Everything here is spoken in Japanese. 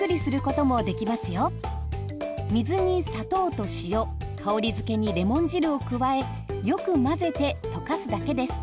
水に砂糖と塩香りづけにレモン汁を加えよく混ぜて溶かすだけです。